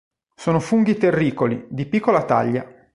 Sono funghi terricoli, di piccola taglia.